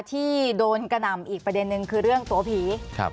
ที่โดนกระหน่ำอีกประเด็นนึงคือเรื่องตัวผีครับ